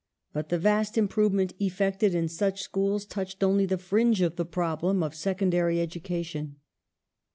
But the vast im provement effected in such schools touched only the fringe of the problem of secondary education.